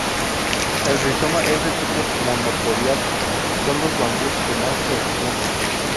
El rizoma es de tipo monopodial, son los bambús que más se extienden.